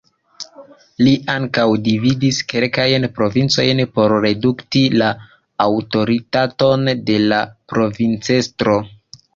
Li ankaŭ dividis kelkajn provincojn por redukti la aŭtoritaton de la provincestro.